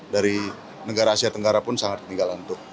dari negara asia tenggara pun sangat ketinggalan untuk